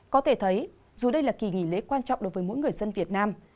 có thể thấy dù đây là kỳ nghỉ lễ quan trọng đối với mỗi người dân việt nam